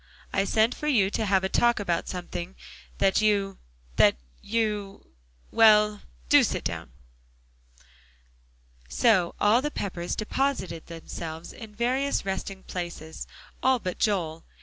I sent for you to have a talk about something that you that you well, do sit down." So all the Peppers deposited themselves in various resting places; all but Joel.